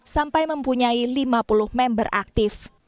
sampai mempunyai lima puluh member aktif